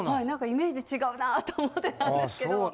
何かイメージ違うなと思ってたんですけど。